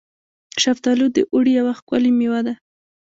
شفتالو د اوړي یوه ښکلې میوه ده.